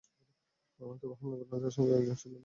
তবে হামলার ঘটনায় তার সঙ্গে আরও একজন ছিল বলে ধারণা করা হচ্ছে।